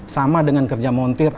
sama dengan kerja montir